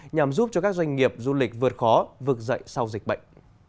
nhằm giúp cho các doanh nghiệp du lịch vượt khó vực dậy sau dịch bệnh